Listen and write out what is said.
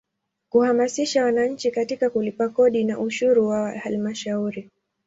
Kuhamasisha wananchi katika kulipa kodi na ushuru wa Halmashauri.